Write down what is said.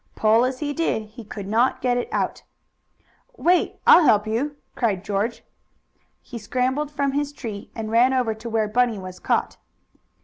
Pull as he did, he could not get it up. "Wait I'll help you!" called George. He scrambled from his tree, and ran over to where Bunny was caught.